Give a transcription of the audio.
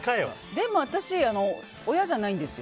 でも私、親じゃないんです。